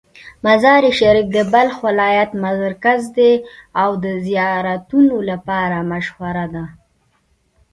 مزار شریف د بلخ ولایت مرکز دی او د زیارتونو لپاره مشهوره ده.